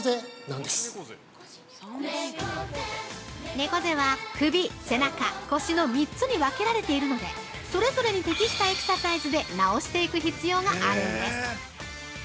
◆猫背は、首・背中・腰の３つに分けられているのでそれぞれに適したエクササイズで直していく必要があるんです。